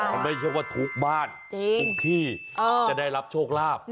มันไม่ใช่ว่าทุกบ้านทุกที่จะได้รับโชคลาภ